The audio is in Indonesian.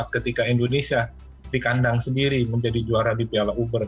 ketika indonesia dikandang sendiri menjadi juara di piala uber